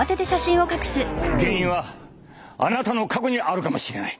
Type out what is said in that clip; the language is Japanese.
原因はあなたの過去にあるかもしれない。